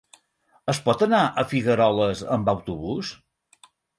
Es pot anar a Figueroles amb autobús?